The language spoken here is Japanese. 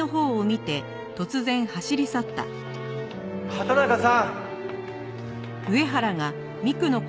畑中さん！